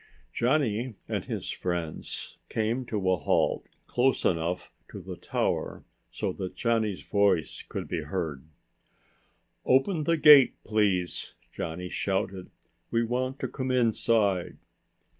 Johnny and his friends came to a halt close enough to the tower so that Johnny's voice could be heard. "Open the gate, please," Johnny shouted. "We want to come inside."